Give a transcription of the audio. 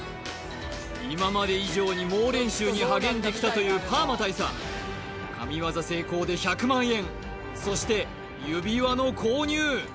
今まで以上に猛練習に励んできたというパーマ大佐神業成功で１００万円そして指輪の購入！